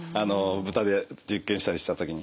豚で実験したりした時に。